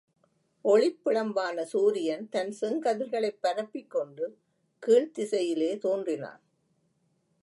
ஒளிப்பிழம்பான சூரியன் தன் செங்கதிர்களைப் பரப்பிக் கொண்டு கீழ்த் திசையிலே தோன்றினான்.